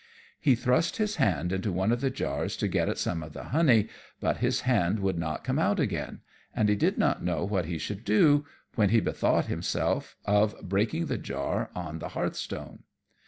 He thrust his hand into one of the jars to get at some of the honey, but his hand would not come out again, and he did not know what he should do, when he bethought him of breaking the jar on the hearth stone.